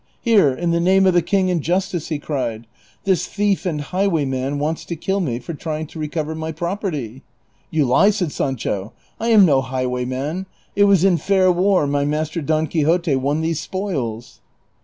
'' Here, in the name of the king and justice !" he cried, " this thief and highwayman wants to kill me for trying to recover my property." " You lie," said Sancho, " I am no highwayman ; it was in fair war my master Don Quixote won these spoils."